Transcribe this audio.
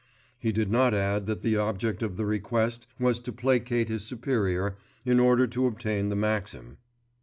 He did not add that the object of the request was to placate his superior, in order to obtain the maxim.